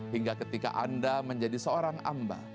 hingga ketika anda menjadi seorang amba